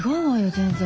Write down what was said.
全然。